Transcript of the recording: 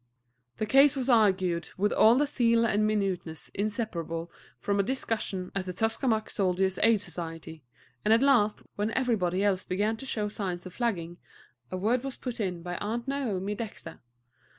The case was argued with all the zeal and minuteness inseparable from a discussion at the Tuskamuck Soldiers' Aid Society, and at last, when everybody else began to show signs of flagging, a word was put in by Aunt Naomi Dexter.